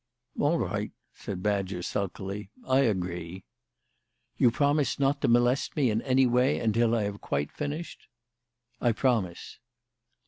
"All right," said Badger sulkily. "I agree." "You promise not to molest me in any way until I have quite finished?" "I promise."